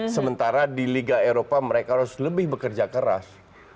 sementara di liga eropa mereka harus lebih bekerja keras